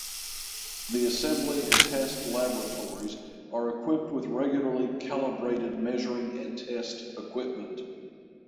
The assembly and test laboratories are equipped with regularly calibrated measuring and test equipment.